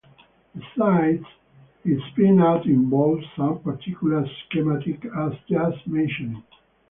Besides, its pin-out involves some particular schematics as just mentioned.